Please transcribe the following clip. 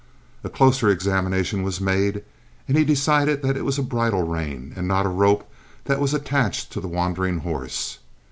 A closer examination was made, and he decided that it was a bridle rein and not a rope that was attached to the wandering horse.